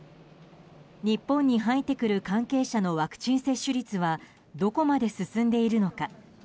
日本に入ってくる関係者のワクチン接種率はどこまで進んでいるのか。